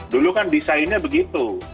dulu kan desainnya begitu